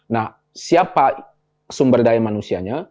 nah siapa sumber daya manusianya